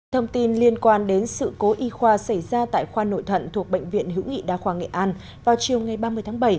thông tin liên quan đến sự cố y khoa xảy ra tại khoa nội thận thuộc bệnh viện hữu nghị đa khoa nghệ an vào chiều ngày ba mươi tháng bảy